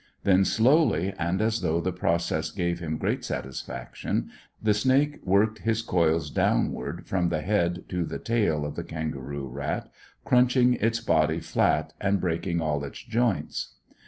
Then, slowly, and as though the process gave him great satisfaction, the snake worked his coils downward, from the head to the tail of the kangaroo rat, crunching its body flat and breaking all its joints.